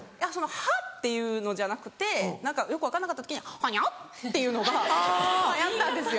「はぁ？」っていうのじゃなくてよく分かんなかった時に「はにゃ？」っていうのが流行ったんですよ。